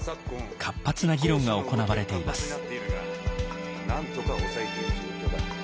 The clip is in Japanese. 活発な議論が行われています。